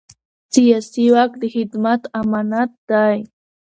سیاسي واک د خدمت امانت دی